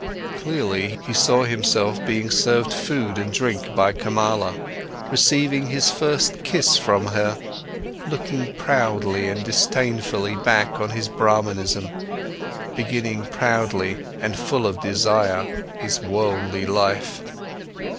Clearly, he saw himself being served food and drink by Kamala, receiving his first kiss from her, looking proudly and disdainfully back on his Brahmanism, beginning proudly and full of desire his worldly life.